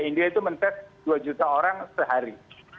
india itu men test dua juta orang sehari